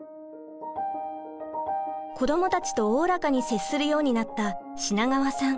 子どもたちとおおらかに接するようになった品川さん。